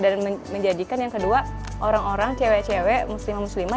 dan menjadikan yang kedua orang orang cewek cewek muslimah muslimah